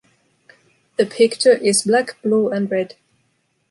The picture is black, blue and red.